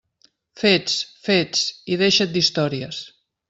Fets, fets, i deixa't d'històries.